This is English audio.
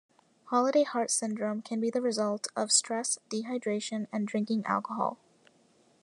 Holiday heart syndrome can be the result of stress, dehydration, and drinking alcohol.